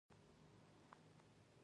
سلطان ماته وویل چې کښېنم.